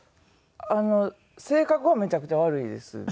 性格はめちゃくちゃ悪いです。